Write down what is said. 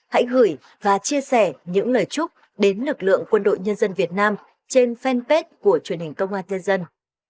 hãy gửi và chia sẻ những lời chúc đến lực lượng quân đội nhân dân việt nam trên fanpage của truyền hình công an nhân dân